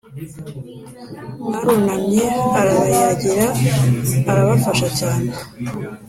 mwarunamye arabayagira arabafasha cyane